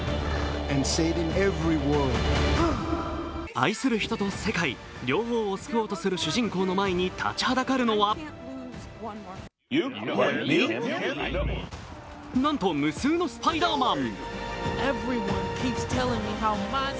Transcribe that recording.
愛する人と世界、両方を救おうとする主人公の前に立ちはだかるのはなんと、無数のスパイダーマン。